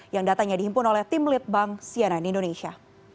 yang datanya dihimpun oleh tim litbang sianan indonesia